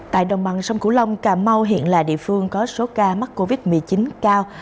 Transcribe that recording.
tại đồng bằng sông cửu long cà mau hiện là địa phương có số ca mắc covid một mươi chín cao